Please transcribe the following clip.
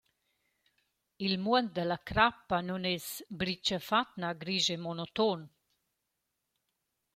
Il muond da la crappa nun es brichafat grisch e monoton.